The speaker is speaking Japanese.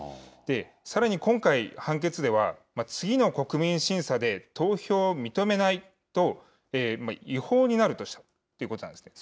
さらに今回、判決では、次の国民審査で投票を認めないと違法になるとしたということなんですね。